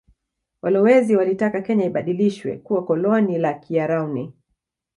Walowezi walitaka Kenya ibadilishwe kuwa koloni la kiarauni